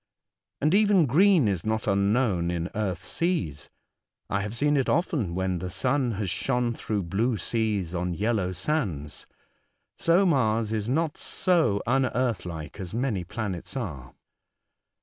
And even green is not unknown in earth seas. I have seen it often when the sun has shone through blue seas on yellow sands — so Mars is not so unearth like as many planets are.